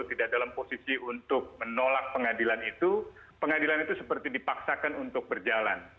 tidak dalam posisi untuk menolak pengadilan itu pengadilan itu seperti dipaksakan untuk berjalan